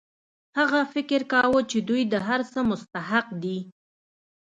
هغه فکر کاوه چې دوی د هر څه مستحق دي